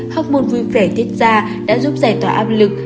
học môn vui vẻ thiết ra đã giúp giải tỏa áp lực